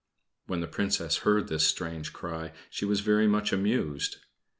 When the Princess heard this strange cry she was very much amused.